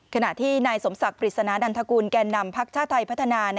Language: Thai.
ขณะที่นายสมศักดิ์ปริศนานันทกูลแก่นำพักชาติไทยพัฒนา